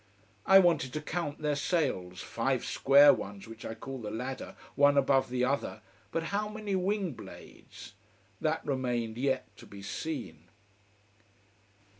I wanted to count their sails five square ones which I call the ladder, one above the other but how many wing blades? That remained yet to be seen.